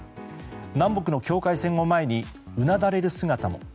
南北の境界線を前にうなだれる姿も。